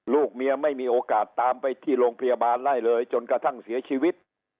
ลูกเมียไม่มีโอกาสตามไปที่โรงพยาบาลไล่เลยจนกระทั่งเสียชีวิต